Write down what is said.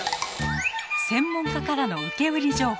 専門家からの受け売り情報。